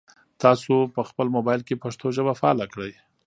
تاسو په خپل موبایل کې پښتو ژبه فعاله کړئ.